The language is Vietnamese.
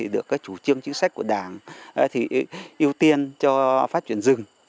được chủ trương chữ sách của đảng ưu tiên cho phát triển rừng